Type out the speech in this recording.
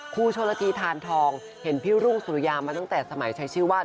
ครูชนละทีทานทองเห็นพี่รุ่งสุริยามาตั้งแต่สมัยใช้ชื่อว่า